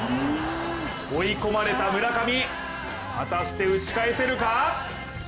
追い込まれた村上果たして打ち返せるか？